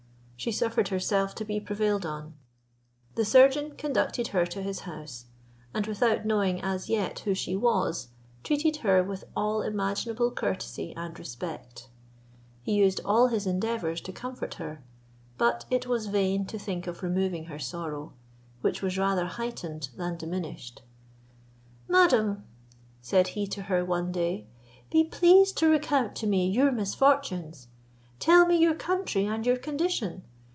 She suffered herself to be prevailed on. The surgeon conducted her to his house, and without knowing, as yet, who she was, treated her with all imaginable courtesy and respect. He used all his endeavours to comfort her, but it was vain to think of removing her sorrow, which was rather heightened than diminished. "Madam," said he to her one day, "be pleased to recount to me your misfortunes; tell me your country and your condition.